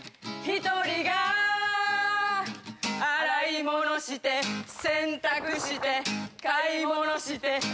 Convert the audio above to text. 洗い物して洗濯して買い物して